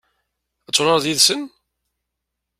Ad turareḍ yid-sen?